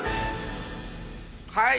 はい。